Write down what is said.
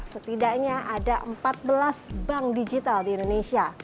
setidaknya ada empat belas bank digital di indonesia